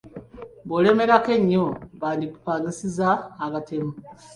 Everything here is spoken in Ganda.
Bw’olemerako ennyo, bandikupangisiza abatemu.